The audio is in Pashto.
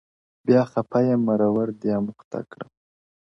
o بيا خپه يم مرور دي اموخته کړم،